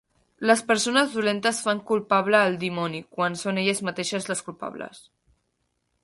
Les persones dolentes fan culpable el dimoni quan són elles mateixes les culpables